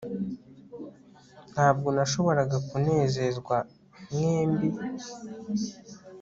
Ntabwo nashoboraga kunezezwa mwembi